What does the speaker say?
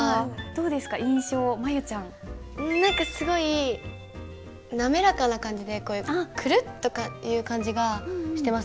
何かすごい滑らかな感じでくるっとかいう感じがしてますね。